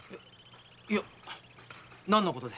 いや何のことで？